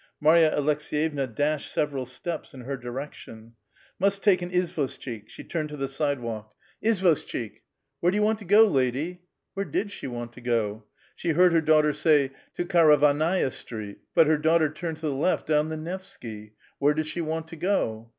Marya Alcks6yevna dashed several steps in her direction. '*Must take an izvoshchik. She turned to the .sidewalk. A VITAL QUESTION. 139 " Izvoshcbik !"*' Where do you want to go, lady?" Where did she want to go? she heard her daughter say, ^'' To Karavannai'a Street" ; but her daughter turned to the left dowu the Nevsky. Where does she want to go